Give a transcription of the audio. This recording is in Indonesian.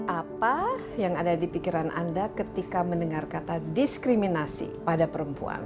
apa yang ada di pikiran anda ketika mendengar kata diskriminasi pada perempuan